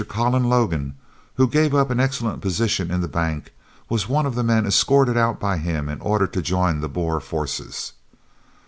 Colin Logan, who gave up an excellent position in the bank, was one of the men escorted out by him in order to join the Boer forces.